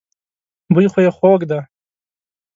بوی خو يې خوږ دی.